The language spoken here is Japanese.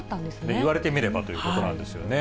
言われてみればということなんですよね。